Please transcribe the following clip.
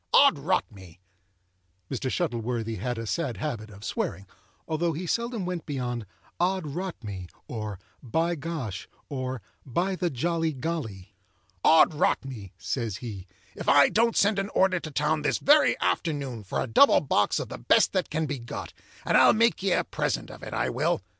Od rot me,"—(Mr. Shuttleworthy had a sad habit of swearing, although he seldom went beyond "Od rot me," or "By gosh," or "By the jolly golly,")—"Od rot me," says he, "if I don't send an order to town this very afternoon for a double box of the best that can be got, and I'll make ye a present of it, I will!